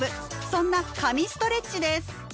そんな「神ストレッチ」です。